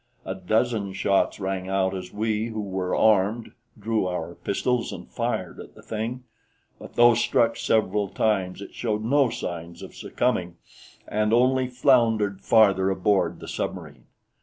A dozen shots rang out as we who were armed drew our pistols and fired at the thing; but though struck several times, it showed no signs of succumbing and only floundered farther aboard the submarine.